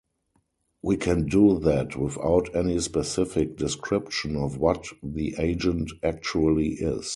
We can do that without any specific description of what the agent actually is.